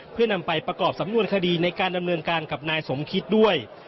เพื่อนำไปประกอบสำนวนคดีในการดำเนินการกับนายสมคิตด้วย